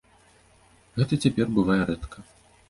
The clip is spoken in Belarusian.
Гэта цяпер бывае рэдка.